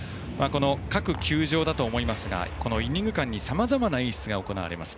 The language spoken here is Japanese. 各球場だと思いますがイニング間にさまざまな演出が行われます。